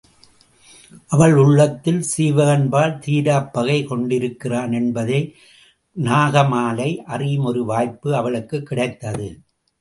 அவன் உள்ளத்தில் சீவகன்பால் தீராப்பகை கொண்டிருக்கிறான் என்பதை நாகமாலை அறியும் ஒரு வாய்ப்பு அவளுக்குக் கிடைத்தது.